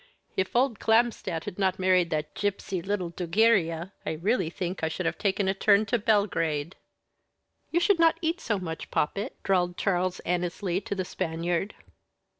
If old Clamstandt had not married that gipsy little Dugiria, I really think I should have taken a turn to Belgrade." "You should not eat so much, poppet," drawled Charles Annesley to the Spaniard.